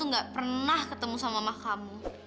kamu tuh gak pernah ketemu sama emak kamu